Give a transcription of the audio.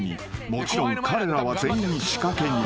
［もちろん彼らは全員仕掛け人］